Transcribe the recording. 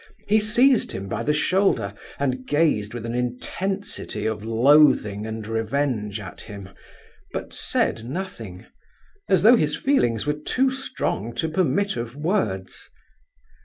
He seized him by the shoulder and gazed with an intensity of loathing and revenge at him, but said nothing—as though his feelings were too strong to permit of words.